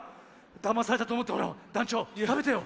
だまされたとおもってほらだんちょうたべてよ。